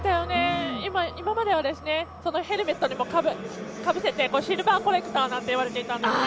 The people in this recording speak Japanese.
今まではヘルメットにかぶせてシルバーコレクターなんて言われてたんですね。